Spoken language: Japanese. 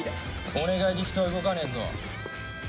「お願い」で人は動かねえぞ。